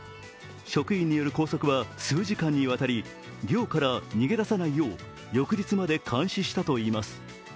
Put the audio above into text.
職員による拘束は数時間にわたり寮から逃げださないよう翌日まで監視したといいます。